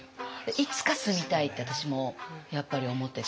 いつか住みたいって私もやっぱり思ってて。